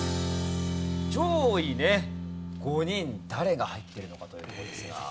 上位５人誰が入っているのかという事ですが。